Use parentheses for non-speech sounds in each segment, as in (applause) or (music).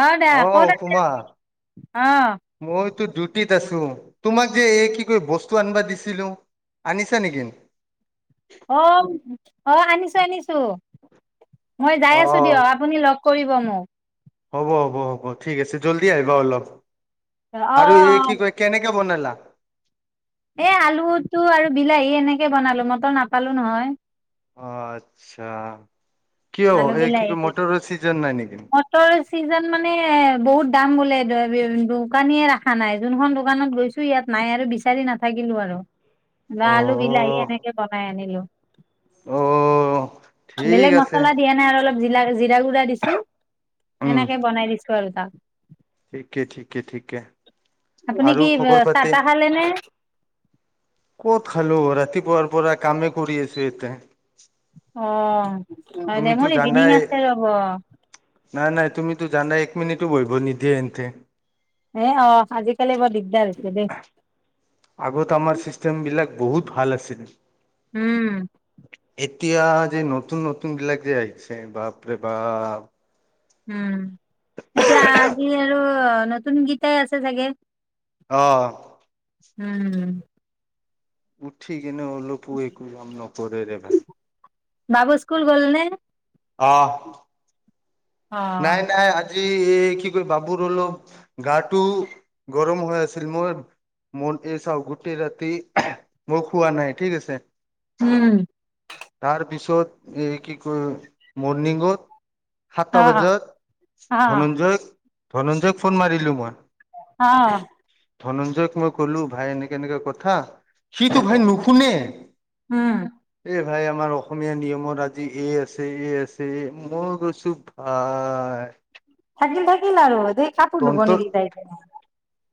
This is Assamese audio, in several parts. অ দা অ' ক'ত আছে উপমা অ মইতো ডিউটিত আছো, তোমাক যে এই কি কয় বস্তু আনিবা দিছিলো? আনিছা নেকি? অ' অ' আনিছো আনিছো মই যাই অ আছো দিয়ক। আপুনি লগ কৰিব মোক। হ'ব হ'ব হ'ব ঠিক আছে, জল্দি আহিবা অলপ অ অ আৰু এই কি অ কয় কেনেকে বনালা? এই আলুটো আৰু বিলাহী এনেকে বনালো মটৰ নাপালো নহয়। অ' আচ্ছা কিয়, আলু এই কি কি মটৰৰ চিজন নাই নেকি? মটৰৰ চিজন মানে বহুত দাম বোলে, দোকানীয়ে ৰখা নাই যোনখন দোকানত গৈছো ইয়াত নাই আৰু বিচাৰি নাথাকিলো আৰু, অ লাও আলু বিলাহী এনেকে বনাই আনিলো। অ' ঠিক আছে। সনে আৰু অলপ জৰা জিৰা গুড়া দিছো সেনেকে বনাই দিছো আৰু তাক। ঠিক ঠিকে ঠিকে। আপুনি আৰু কি খবৰ চাহ পাতি তাহ খালে নে? ক'ত খালো, ৰাতিপুৱাৰ পৰা কামে কৰি আছো এতে। অ, নেম তুমিতো এভিনিং জানাই আছে ৰ'ব। নাই নাই তুমিতো জানা এক মিনিটো বহিব নিদিয়ে এন্ততে। এ, অ, আজিকালি বৰ দিগদাৰ হৈছে দেই। আগত আমাৰ চিষ্টেম বিলাক বহুত ভাল আছিলে। উম, এতিয়া যে নতুন নতুন বিলাক যে আহিছে বাপ ৰে বাপ, উম, এতিয়া আজি আৰু নতুন গীটাই আছে চাগে? অ, উম, উঠি কিনে অলপ একো যাম ন কৰি দেব, বাবু স্কুল গল নে? অ, অ নাই নাই আজি এই কি কয় বাবুৰ অলপ গাটো গৰম হৈ আছিল মই মোৰ এই চও গোটেই ৰাতি মই খোৱা নাই ঠিক আছে, উম, তাৰ পিছত এই কি কৈ, মৰ্ণিঙত অ সাতটা বজাত অ ধনঞ্জয়, ধনঞ্জয়ক ফোন মাৰিলোঁ মই, অ, ধনঞ্জয়ক মই ক'লো ভাই এনেকে এনেককাে কথা সিটো ভাই নুশুনে। উম, এই ভাই আমাৰ অসমীয়া নিয়মত আজি এ আছে এ আছে মই কৈছোঁ ভাই থাকিল থাকিল আৰু দেই কাপোৰ দুবনি তন্তৰ দি যাই।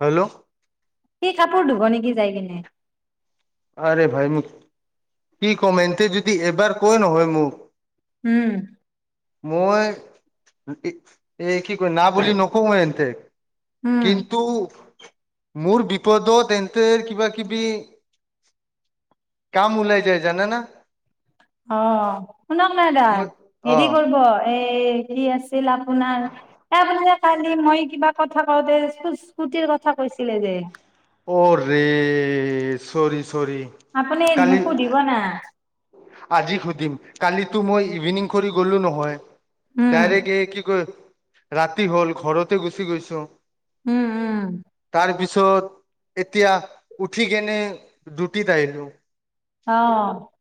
হেল্ল' সি কাপোৰ ধুব নেকি? যাই কিনে, আৰে ভাই মোক কি কম এন্তে যদি এবাৰ কৈ নহয় মোক, উম, মই এই কি কয় না বুলি নকওঁই এনতে উম। কিন্তু, মোৰ বিপদত তেন্ত কিবা কিবি কাম উলাই য জানা না? অ, শুনক নাই দা মই হেৰি অ কৰিব এই কি আছে ছীল আপোনাৰ (inaudible) কালি মই কিবা কথা কওঁতে স্কুটিৰ কথা কৈছিলে যে, অ', ৰে ছৰি ছৰি, আপুনি নসোধিব না, আজি সুধিম কালিতো মই ইভিনিং কৰি গলো নহয়। উম ডাইৰেক্ট এই কি ক ৰাতি হ'ল ঘৰতে গুচি গৈছোঁ। উম, উম, তাৰ পিছত এতিয়া উঠি কেনে জুটত আহিলো। অ,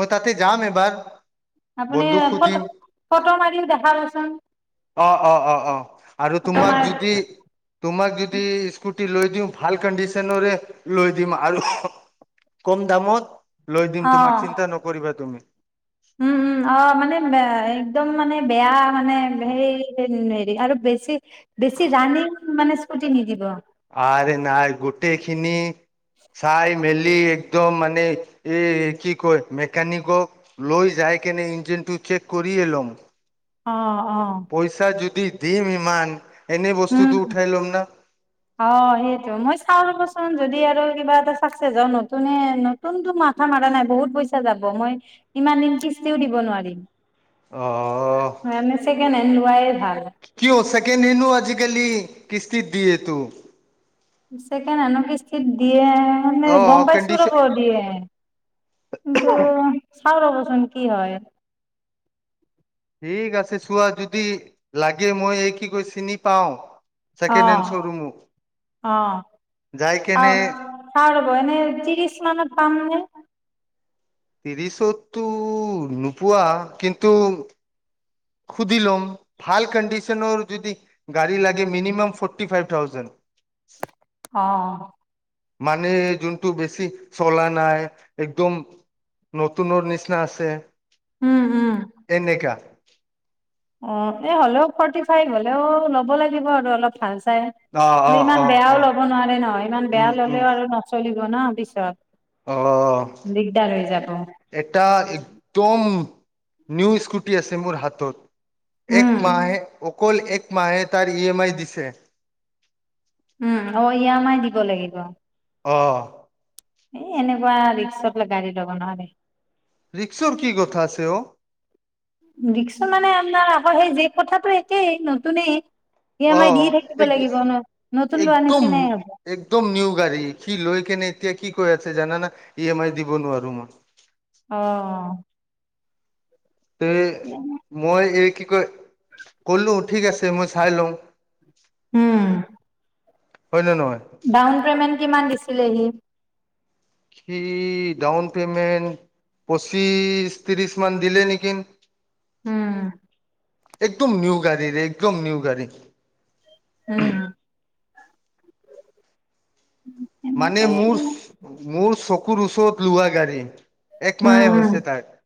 মই তাতে যাম এবাৰ, আপুনি বন্ধুক সুধিম ফটো-ফটো মাৰিম দেখাবচোন। অ অ অ অ আৰু ফটো তোমাক মাৰ যদি তোমাক যদি স্কুটি লৈ দিওঁ ভাল কণ্ডিচনৰে লৈ দিম আৰু কম দামত লৈ দিম অ তোমাক চিন্তা নকৰিবা তুমি। উম, উম, অ, মানে (inaudible) একদম মানে বেয়া মানে সেই হেৰি আৰু বেছি বেছি ৰানিিং মানে স্কুটি নিদিব আৰে নাই গোটেইখিনি চাই মেলেলি একদম মানে এই কি কয় মেকানিকক লৈ যায় কেনে ইঞ্জিনটো চেক কৰিি এলম অ অ পইচা যদি দিম ইমান এনে বস্তুটোো উম উঠাই ল'ম ন অ সেইটো মই চাও ৰ'বচোন যদি আৰু কিবা এটা চাকচেছ হ নতুনে নতোনটো মাথা মাৰা নাই বহুত পইচা যাব মই ইমান দিন কিস্তিও দিব নোৱাৰিম অ অ হয় আমি ছেকেণ্ড হেণ্ড লোৱাইে ভাল কিয় ছেকেণ্ড হেণ্ডো আজিকালি কিস্তিত দিয়েতো চকেড আনক কিসিত দিয়ে মানে অ গম পাইছো কণ্ডিচন ৰ'ব দিয়ে কিন্তু চাও ৰ'বচোন কি হয় ঠিক আছে চোৱা যদি লাগে মই এই কি কৈ চিনি পাও অ চেকেণ্ড হেণ্ড শ'ৰুমো যাই কেনেে খাৰ হ'ব এনে ত্ৰিশ মানত পাম নে ত্ৰিশতটো নোপোৱা কিন্তু সুধিলোম ভাল কণ্ডিশনৰ যদি গা়ী লাগে মিনিমাম ফৰ্টি ফাইভ থাউজেণ্ড অ মানে যোনটো বেছি চলা নাই একদম নতুনৰ নিচিনা আছে উম উম এনেকাা অ এ হ'লেও ফৰ্টি ফাইভ হলেও ল'ব লাগিব আৰু অলপ ভাল চাই অ অ ইমান অ বেয়াও অ ল'ব নোৱাৰে ন ইমান উম বেয়া উম ললেও আৰু নচলিব ন অ পিছত দিগদাৰ হৈ যাব এটা একদম নিউ স্কুটি আছে মোৰ হাতত এক উম, মাহে অকল এক মাহে তাৰ এম আই দিছে উম অ ই এম আই দিব লাগিব অ'। এ', এনেকুৱা ৰিক্সাত লগা যাব নোৱাৰো দেই। ৰিক্সাত কি কথা আছে অ'। দেখছো মানে, আপোনাৰ আকৌ সেই যে, কথাটো একেই। নতুনে। সি অ আমাৰ দি থাকিব এক লাগিব ন'। নতুন লোৱাৰ একদম নিচিনাই হ'ব। একদম নিউ গাড়ী। সি লয় কেনে এতিয়া কি কৈ আছে জানাানা, ই এম আই দিব নোৱাৰো মই। অ'। তে, মই এই কি কয়, কলো ঠিক আছে। মই চাই লওঁ। উম'। হয় নে নহয়? ডাউন পে'মেণ্ট কিমান দিছিলে সি? সি ডাউন পেমেণ্ট পঁচিশ ত্ৰিশ মান দিলে নিকিন। উম'। একদম নিউ গাড়ীৰে। একদম নিউ গাড়ী। উম'। মানে এনেকে মোৰ, মোৰ চকুৰ ওচৰত লোৱা গাড়ী। এক উম, মাহে উম। হৈছে তাত।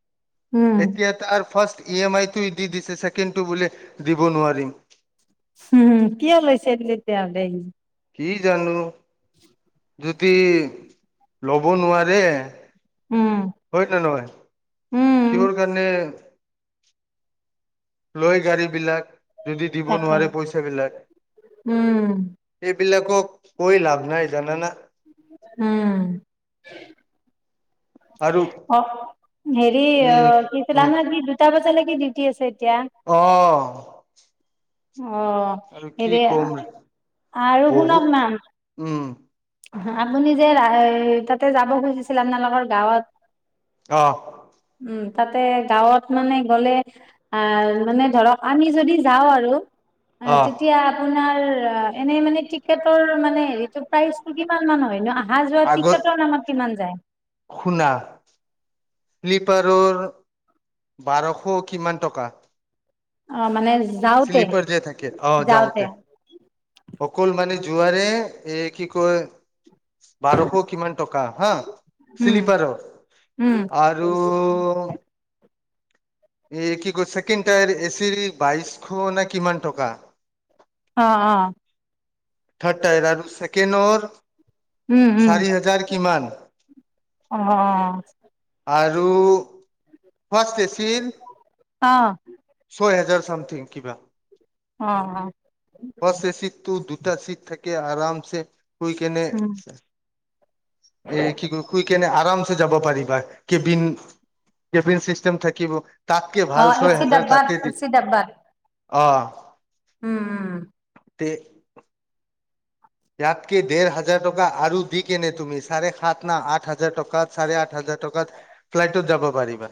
উম, এতিয়া আৰু ফাস্ট ই এম আইটো দি দিছে। ছেকেণ্ডটো বোলে দিব নোৱাৰিম। উম', কিয় লৈছে তেতিয়া হ'লে সি। কি জানো। (inaudible) যদি, ল'ব নোৱাৰে উম, হয় নে নহয়? উম, কিহৰ কাৰণে লয় গাড়ী বিলাক, যদি দিব তাকে। নোৱাৰে পইচাবিলাক। উম, এইবিলাকক কৈ লাভ নাই, জানানা। উম'। আৰু অ', হেৰি এ অ', কৈছিলা উম নহয়, তুমি দুটা বজালৈকে ডিউটি আছে এতিয়া। অ'। অ', আৰু কি ক'ম হেৰিয়ে, আৰু বহুত শুনক না উম'। আপুনি যে, ৰা, তাতে যাব খুজিছিলে, আপোনালোকৰ গাঁৱত। অ'। উম', তাতে গাঁৱত মানে গ'লে আ', মানে ধৰক, আমি যদি যাওঁ আৰু অ', আহ তেতিয়া আপোনাৰ এনে মানে টিকটৰ মানে হেৰিটো প্ৰাইচটো কিমান মান হয় ন'? অহা যোৱা আগত টিকেটৰ নামত কিমান যায়? শুনা। শ্লিপাৰৰ বাৰশ কিমান টকা। অ', মানেজ শ্লিপাৰ যে থাকে, অ', যাওঁতে অকল মানে যোৱাৰে, এই কি কয় বাৰশ কিমান টকা হা, উম শ্লিপাৰৰ, উম আৰ আৰু এই কি কৈছে, ছেকেণ্ড টায়াৰ এচিৰ বাইশ নে কিমান টকা। অ', অ'। থাৰ্ড টায়াৰা, ছেকেণ্ডৰ উম উম চাৰি হাজাৰ কিমান। অ', অ'। আৰু ফাষ্ট এচিৰ অ'। ছয় হেজাৰ চামথিং কিবা, অ অ বচ এচিটটো দুটা চিট থাকে। কে আৰামছে শুই কেনে, উম এই কি ক শুই কেনে আৰামছে যাব পাৰিবা কেবিন-কেবিন চিষ্টেম থাকিব। তাতকে অ ভাল ছয় এচি হাজাৰ ডাব্বাত তাতে দি, এচি ডাব্বাত অ'। উম। উম তে ইয়াতকে ডেৰ হাজাৰ টকা আৰু দি কেনে তুমি চাৰে সাঁত না আঠ হাজাৰ টকাত চাৰে আঠ হাজাৰ টকাত ফ্লাইটত যাব পাৰিবা।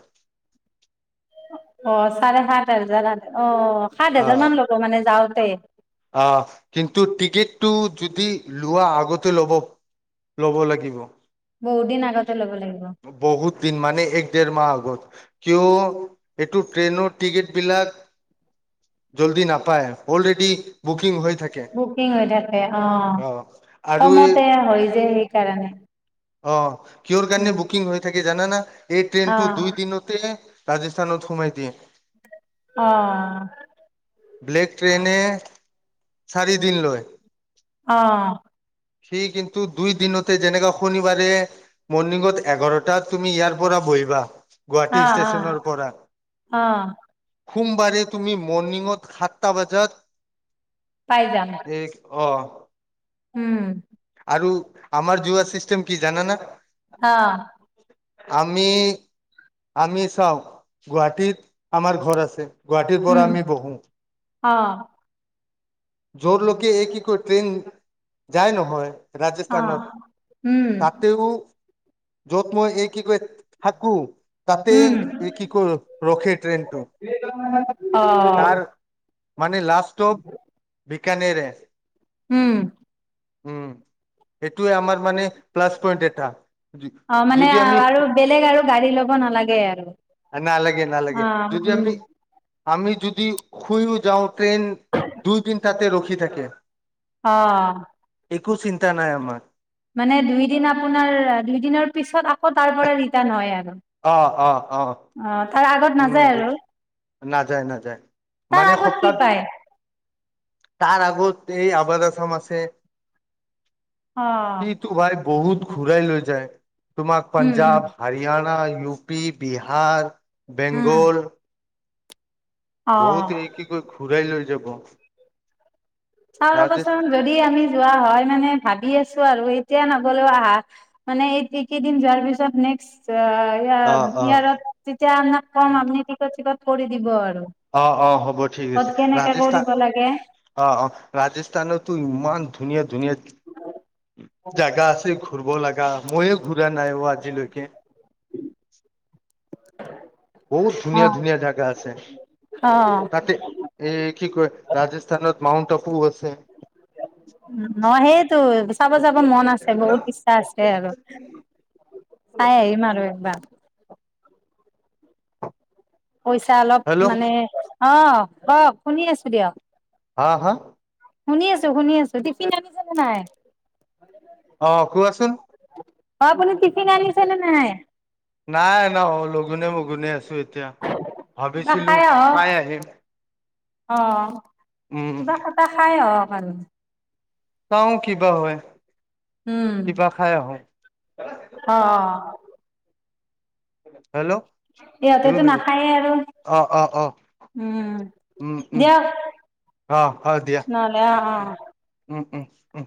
অ'। চাৰে সাঁত হাজাৰ আঠশ অ', সাত হাজাৰ মান লব মানে যাওঁতে‌। অহ কিন্তু টিকেটটো যদি লোৱা আগতে ল'ব ল'ব লাগিব। বহুত দিন আগতে ল'ব লাগিব। বহুত দিন মানে এক ডেৰ মাহ আগত। কিয় এইটো ট্ৰেইনৰ টিকেটবিলাক জল্দি নাপায় অলৰেডি বুকিং হৈ থাকে। বুকিং হৈ থাকে, অ', আৰু এই কমতে হয় যে সেইকাৰণে। অ', কিহৰ কাৰণে উম বুকিং হৈ থাকে জানানা এই অ ট্ৰেইনটো দুই দিনত তে ৰাজস্থানত সোমাই দিয়ে। অ'। ব্লেক ট্ৰেইনে, চাৰি দিন লয়। অ'। সি কিন্তু দুই দিনতে যেনেকা শনিবাৰে মৰ্ণিঙত এঘাৰটাত তুমি ইয়াৰ পৰা বহিবা। অ গুৱাহাটী ষ্টেশচনৰ পৰা। অ অ সোমবাৰে তুমি মৰ্ণিঙত সাতটা বাজাত পাই যাম। এক অ। হুম। আৰু আমাৰ যোৱা চিষ্টেম কি জানানা? আ। আমি আমি চাও গুৱাহাটীত আমাৰ ঘৰ আছে গুৱাহাটীৰ উম পৰা আমি বহো। অ। জৰলৈকে এই কি কয় ট্ৰেইন যায় নহয় অ ৰাজস্থানত, উম তাতেও য'ত মই এই কি কয় থাকো তাতে উম এই কি কয় ৰখে ট্ৰেইনটো। তাৰ (unintelligible) মানে লাষ্টপ বিকানেৰে উম। উম এটোৱে আমাৰ মানে প্লাছ পইণ্ট এটা। অ মানে যদি আমি আৰু বেলেগ আৰু গাড়ী ল'ব নালাগে আৰু। নালাগে অ নালাগে যদি উম আমি আমি যদি শুই শুই যাওঁ ট্ৰেইন দুইদিন তাতে ৰখি থাকে। অ। একো চিন্তা নাই আমাৰ। মানে দুইদিন আপোনাৰ দুই দিনৰ পিছত আকৌ তাৰ পৰা ৰিটাৰ্ণ হয় আৰু। অ অ। অ। অ তাৰ আগত উম নাযায় আৰু। নাযায় নাযায় তাৰ মানে আগত কি সপ্তাহত পায় তাৰ আগত এই আবাদ আছাম আছে। অ সি তো ভাই বহুত ঘূৰাই লৈ যায় তোমাক উম উম পাঞ্জাৱ হাৰিয়ানা, ইউ পি, বিহাৰ, উম বেংগল, অ বহুত এক (unintelligible) ঘূৰাই লৈ যাব। চাও ৰাজেশ ৰবাচোন যদি আমি যোৱা হয় মানে ভাবি আছো আৰু এতিয়া নগলেও আহা মানে এই এইকেইদিন যোৱাৰ পিছত নেক্সট অ অ বিহাৰত তেতিয়া আপনাক কম আপনি টিকট চিকট কৰি দিব আৰু। অ অ হ'ব ঠিক ক'ত আছে। কেনেকে ৰাজস্থান কৰিব লাগে অ ৰাজস্থানতো ইমান ধুনীয়া ধুনীয়া জাগা আছে ঘূৰিব লগা মইয়ে ঘূৰা নাইও আজিলৈকে। বহুত অ ধুনীয়া ধুনীয়া জোগা আছে অ তাতে এই কি কয় ৰাজস্থানত মউণ্ট আবু আছে। ন সেইটো চাব যাব মন আছে, বহুত ইচ্ছা আছে আৰু। চাই (unintelligible) পইচা অলপ হেল্ল' মানে, অ কওক শুনি আছো দিয়ক। হা? হা? শুনি আছো শুনি আছো। টিফিন আনিছে নে নাই? অ কোৱাচোন। অ আপুনি টিফিন আনিছে নে নাই? নাই ন লগুনে-মগুনে আছো এতিয়া, বা ভাবিছিলো আহক খাই আহিম। অ', উম কিবা কটা খাই আহক আৰু। চাওঁ কিবা হয় উম, কিবা খাই আহোঁ। অ', অ', হেল্ল' দুই ইহঁতেতো মিনিট নাখায়ে আৰু অ', অ', অ', উম, উম, উম, দিয়ক অ', হয় দিয়া নহ'লে অ', অ'। উম, উম, উম,